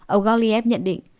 ông goliath nhận định